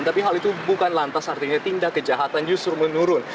tapi hal itu bukan lantas artinya tindak kejahatan justru menurun